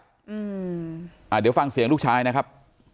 เดี๋ยวฟังเสียงลูกชายนะครับ